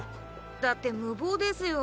だって無謀ですよ。